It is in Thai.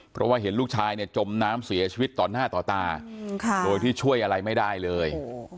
เพราะว่าเห็นลูกชายเนี่ยจมน้ำเสียชีวิตต่อหน้าต่อตาโดยที่ช่วยอะไรไม่ได้เลย